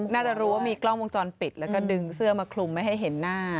น่าจะรู้ว่ามีกล้องวงจรปิดแล้วก็ดึงเสื้อมาคลุมไม่ให้เห็นหน้า